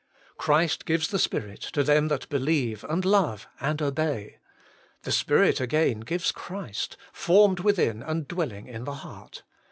Christ gives the Spirit to them that believe and love and obey ; the Spirit again gives Christ, formed within and dwelling in the heart.